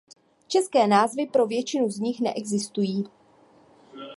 České názvy pro většinu z nich neexistují.